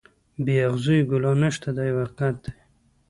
بې اغزیو ګلان نشته دا یو حقیقت دی.